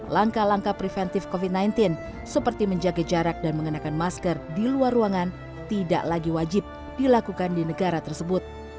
langkah langkah preventif covid sembilan belas seperti menjaga jarak dan mengenakan masker di luar ruangan tidak lagi wajib dilakukan di negara tersebut